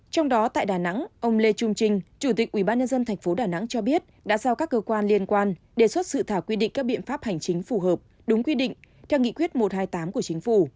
trong đó tại đà nẵng ông lê trung trinh chủ tịch ubnd tp đà nẵng cho biết đã giao các cơ quan liên quan đề xuất sự thảo quy định các biện pháp hành chính phù hợp đúng quy định theo nghị quyết một trăm hai mươi tám của chính phủ